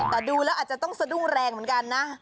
แต่ดูแล้วอาจจะต้องสะดุ้งแรงเหมือนกันนะ